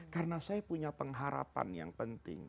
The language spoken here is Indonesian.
karena saya punya pengharapan yang penting